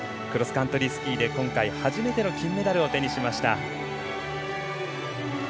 クロスカントリースキーで今回初めての金メダルを手にしました。